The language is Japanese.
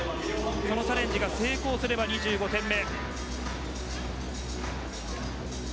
このチャレンジが成功すれば２５点目。